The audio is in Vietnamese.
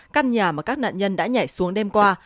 căn nhà mà các nạn nhân đã nhảy xuống đêm qua